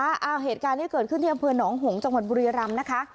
อะเหตุการณ์นี่เกิดขึ้นที่อนเผื่อนหนองโหงจังหวัดบุรียรรมนะคะ